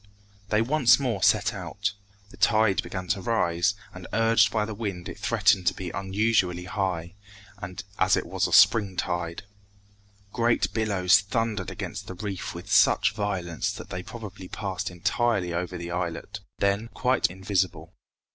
They once more set out. The tide began to rise, and urged by the wind it threatened to be unusually high, as it was a spring tide. Great billows thundered against the reef with such violence that they probably passed entirely over the islet, then quite invisible.